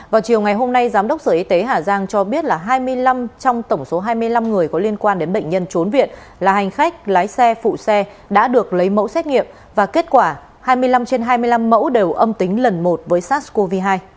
vào chiều ngày hôm nay giám đốc sở y tế hà giang cho biết là hai mươi năm trong tổng số hai mươi năm người có liên quan đến bệnh nhân trốn viện là hành khách lái xe phụ xe đã được lấy mẫu xét nghiệm và kết quả hai mươi năm trên hai mươi năm mẫu đều âm tính lần một với sars cov hai